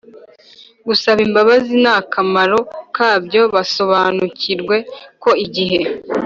Gusaba Imbabazi N Akamaro Kabyo Basobanukirwe Ko Igihe